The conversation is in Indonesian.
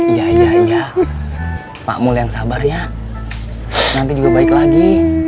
jaya pak mul yang sabar ya nanti juga baik lagi